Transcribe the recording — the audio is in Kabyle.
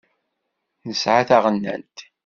Nesεa taɣennant.